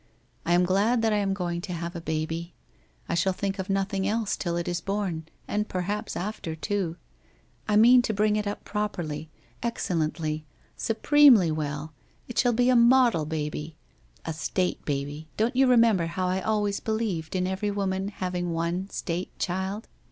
I am glad that I am going to have a baby. I shall think of nothing else till it is born and perhaps after too. I mean to bring it up properly, excellently, supremely well, it shall be a model baby — a State baby, don't you remember how I always believed in every woman having one State child?